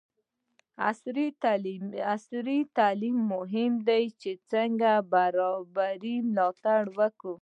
عصري تعلیم مهم دی ځکه چې برابري ملاتړ کوي.